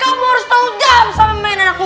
kau kamu harus tahu gak apa sama main anakku